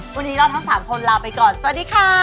วันนี้เราทั้ง๓คนลาไปก่อนสวัสดีค่ะ